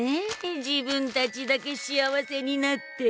自分たちだけ幸せになって。